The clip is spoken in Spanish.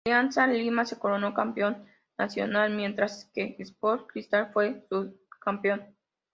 Alianza Lima se coronó campeón nacional, mientras que Sporting Cristal fue subcampeón.